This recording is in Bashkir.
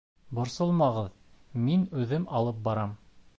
Борсолмағыҙ, мин үҙем алып барам.